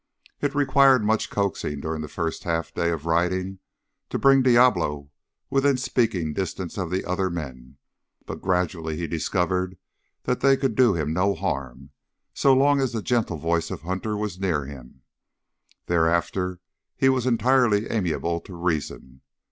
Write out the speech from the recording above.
It required much coaxing during the first half day of riding to bring Diablo within speaking distance of the other men, but gradually he discovered that they could do him no harm so long as the gentle voice of Hunter was near him; thereafter he was entirely amenable to reason.